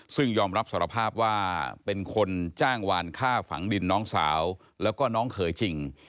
ซึ่งยอมรับสารภาพว่าเป็นคนจ้างวานฆ่าฝังดินน้องสาวแล้วก็น้องเขยจริง